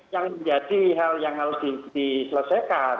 yang menjadi hal yang harus diselesaikan